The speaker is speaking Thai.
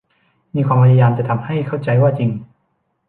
มีความพยายามจะทำให้เข้าใจว่าจริง